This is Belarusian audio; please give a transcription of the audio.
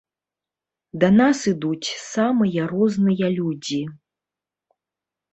Да нас ідуць самыя розныя людзі.